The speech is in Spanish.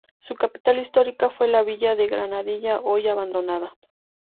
Su capital histórica fue la villa de Granadilla, hoy abandonada.